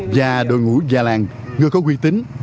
và đội ngũ nhà làng người có quy tính